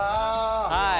はい。